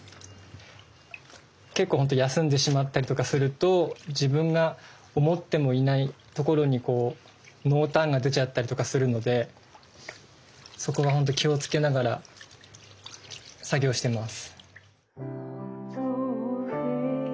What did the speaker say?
結構ほんと休んでしまったりとかすると自分が思ってもいないところにこう濃淡が出ちゃったりとかするのでそこはほんと気をつけながら作業してます。